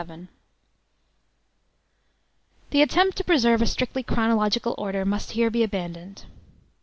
1815 1837. The attempt to preserve a strictly chronological order must here be abandoned.